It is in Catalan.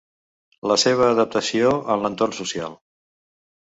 La seva adaptació en l'entorn social.